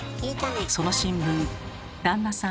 その新聞旦那さん